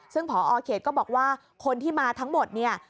ซึ่งพอเขตก็บอกว่าคนที่มาทั้งหมดเนี่ย